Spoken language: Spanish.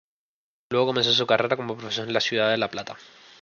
Luego comenzó su carrera como profesor en la ciudad de La Plata.